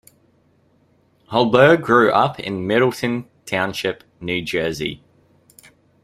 Holbert grew up in Middletown Township, New Jersey.